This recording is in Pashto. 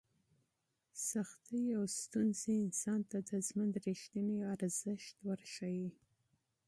سختۍ او تکلیفونه انسان ته د ژوند رښتینی ارزښت وښيي.